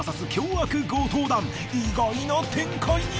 意外な展開に。